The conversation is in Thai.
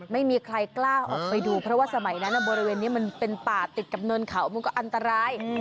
ไม่มีใครกล้าออกไปดูเพราะว่าสมัยนั้นบริเวณนี้มันเป็นป่าติดกับเนินเขามันก็อันตราย